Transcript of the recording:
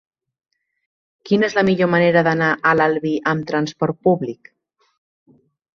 Quina és la millor manera d'anar a l'Albi amb trasport públic?